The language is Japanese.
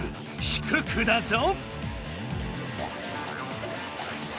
低くだぞ！